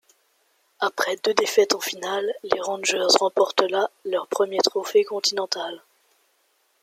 Après deux défaites en finale, les Rangers remportent là leur premier trophée continental.